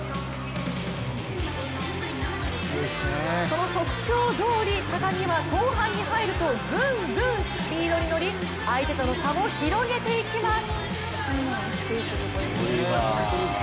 その特徴どおり、高木は後半に入るとぐんぐんスピードに乗り、相手との差を広げていきます。